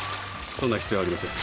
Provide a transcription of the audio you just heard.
そんな必要ありません。